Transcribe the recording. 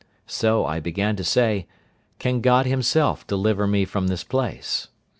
so I began to say, "Can God Himself deliver me from this place?"